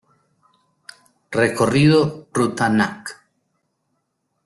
Recorrido: Ruta Nac.